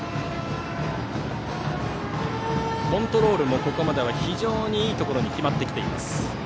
コントロールもここまでは非常にいいところに決まってきています。